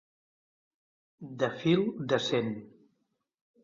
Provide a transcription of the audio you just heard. De fil de cent.